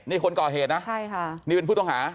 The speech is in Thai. นี่คนก่อเหตุนะใช่ค่ะนี่เป็นผู้ต้องหา